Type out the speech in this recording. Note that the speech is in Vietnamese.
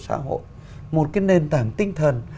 xã hội một cái nền tảng tinh thần